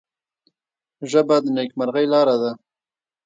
ژبه د نیکمرغۍ لاره ده